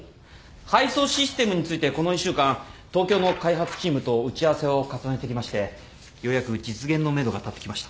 配送システムについてこの１週間東京の開発チームと打ち合わせを重ねてきましてようやく実現のめどが立ってきました。